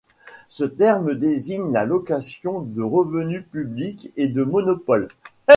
Ce terme désigne la location de revenus publics et de monopoles.